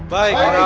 baik orang amin